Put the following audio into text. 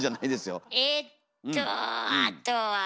えっとあとは。